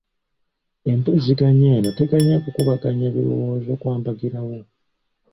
Empuliziganya eno teganya kukubaganya birowoozo kwa mbagirawo.